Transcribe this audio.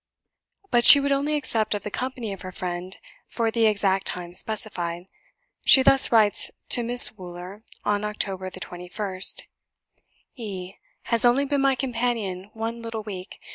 But she would only accept of the company of her friend for the exact time specified. She thus writes to Miss Wooler on October the 21st: "E has only been my companion one little week.